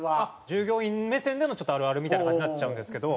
従業員目線でのちょっとあるあるみたいな感じになっちゃうんですけど。